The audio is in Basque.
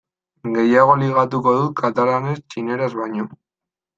Gehiago ligatuko dut katalanez txineraz baino.